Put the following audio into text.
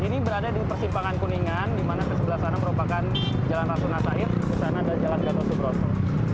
ini berada di persimpangan kuningan dimana di sebelah sana merupakan jalan ratunan air dan di sebelah sana ada jalan gatosu broso